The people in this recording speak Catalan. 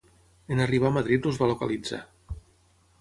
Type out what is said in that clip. En arribar a Madrid els va localitzar.